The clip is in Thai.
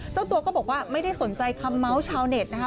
เจ้าตัวก็บอกว่าไม่ได้สนใจคำเมาส์ชาวเน็ตนะคะ